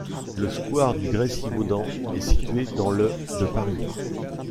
Le square du Graisivaudan est situé dans le de Paris.